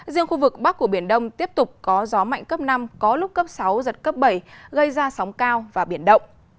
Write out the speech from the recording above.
riêng khu vực bắc của biển đông tiếp tục có gió mạnh cấp năm có lúc cấp sáu giật cấp bảy gây ra sóng cao và biển động